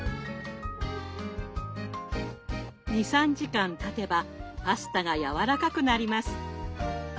２３時間たてばパスタがやわらかくなります。